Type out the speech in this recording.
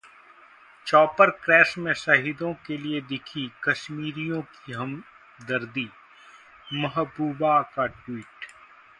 chopper crash में शहीदों के लिए दिखी कश्मीरियों की हमदर्दी, महबूबा का ट्वीट